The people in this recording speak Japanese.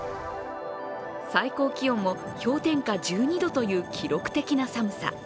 最高気温も氷点下１２度という記録的な寒さ。